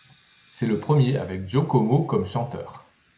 C'est le premier avec Joe Comeau comme chanteur.